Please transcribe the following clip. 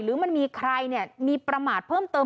หรือมันมีใครเนี่ยมีประมาทเพิ่มเติม